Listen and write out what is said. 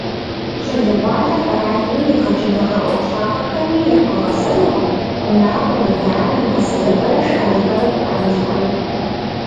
Щӏалэгъуалэр къэралми, егъэджэныгъэ ӏуэхущӏапӏэхэми яхуэгъэсэнукъым, унагъуэм, адэ-анэм гъэсэныгъэрэ шыӏэныгъэрэ къыхамылъхьэмэ.